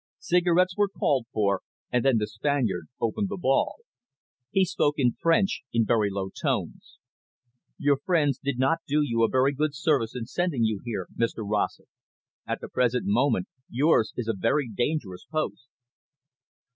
Cigarettes were called for, and then the Spaniard opened the ball. He spoke in French, in very low tones. "Your friends did not do you a very good service in sending you here, Mr Rossett. At the present moment, yours is a very dangerous post."